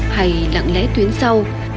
hay lặng lẽ tuyến sau